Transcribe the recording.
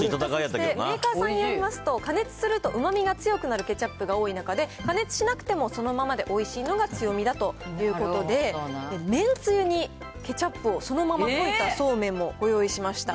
メーカーさんによりますと、加熱するとうまみが強くなるケチャップが多い中で、加熱しなくてもそのままでおいしいのが強みだということで、めんつゆにケチャップをそのまま溶いたそうめんもご用意しました。